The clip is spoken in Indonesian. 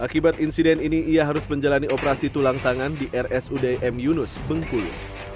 akibat insiden ini ia harus menjalani operasi tulang tangan di rsud m yunus bengkulu